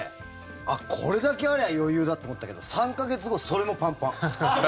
これだけあれば余裕だって思ったけど３か月後、それもパンパン。